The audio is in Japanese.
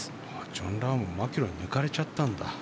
ジョン・ラームもマキロイに抜かれたんだ。